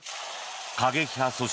過激派組織